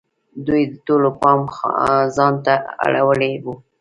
دوی د ټولو پام ځان ته اړولی وو.